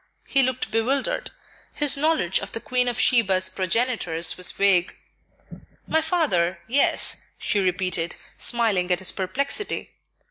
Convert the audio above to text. he looked bewildered; his knowledge of the Queen of Sheba's progenitors was vague. "My father, yes," she repeated, smiling at his perplexity.